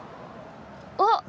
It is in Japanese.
あっ！